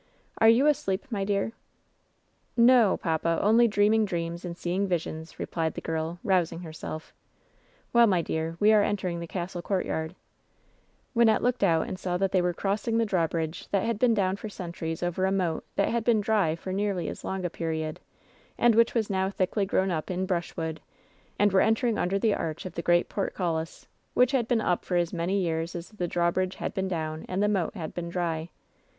"Are you asleep, my dear V* "N" n no, papa; only dreaming dreams and seeing visions," replied the girl, rousing herself. 'Well, my dear, we are entering the castle courtyard/' Wynnette looked out and saw that they were crossing the drawbrid^ that had been down for centuries over a moat that had been dry for nearly as long a period, and which was now thickly grown up in brushwood, and were entering under the arch of the great portcullis, which had been up for as many years as the drawbridge had been down and the moat had been dry.